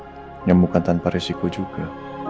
dan yang bukan tanpa resiko juga